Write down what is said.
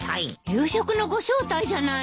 夕食のご招待じゃないの。